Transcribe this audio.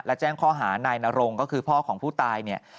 และแจ้งข้อหานายนรงก็คือพ่อของผู้ตายเนี่ย